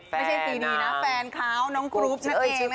ไม่ใช่ทีดีนะแฟนเขาน้องกลุ๊ปนั่นเองนะคะ